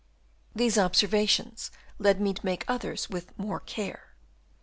These observations led me to make others with more care.